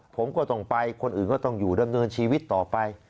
ผมก็ต้องไปคนอื่นก็ต้องอยู่ดำเนินชีวิตต่อไป